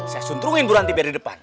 saya suntrungin buranti biar di depan